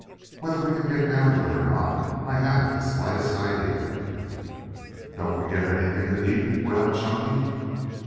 Whether we can get down there or not I haven't the slightest idea " "Don't we get anything to eat?" wailed Chunky.